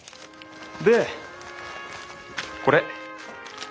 でこれ。